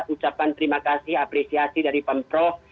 ucapan terima kasih apresiasi dari pemprov